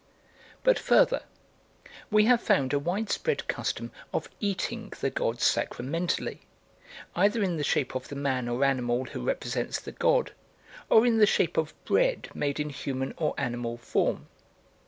But, further, we have found a widespread custom of eating the god sacramentally, either in the shape of the man or animal who represents the god, or in the shape of bread made in human or animal form.